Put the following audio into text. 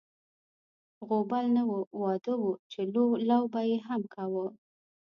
غوبل نه و، واده و چې لو به یې هم کاوه.